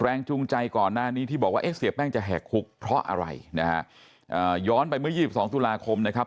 จูงใจก่อนหน้านี้ที่บอกว่าเอ๊ะเสียแป้งจะแหกคุกเพราะอะไรนะฮะอ่าย้อนไปเมื่อ๒๒ตุลาคมนะครับ